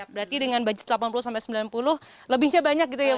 berarti dengan budget delapan puluh sampai sembilan puluh lebihnya banyak gitu ya